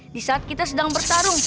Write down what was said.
di saat kita sedang bertarung